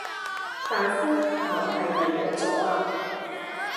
大夫，我係咪有左呀